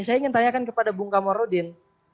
saya ingin tanyakan kepada bung kamarudin